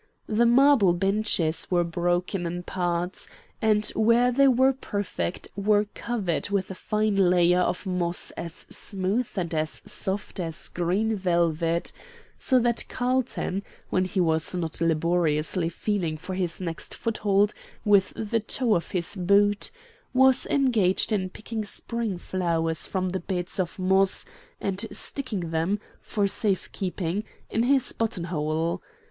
The marble benches were broken in parts, and where they were perfect were covered with a fine layer of moss as smooth and soft as green velvet, so that Carlton, when he was not laboriously feeling for his next foothold with the toe of his boot, was engaged in picking spring flowers from the beds of moss and sticking them, for safe keeping, in his button hole.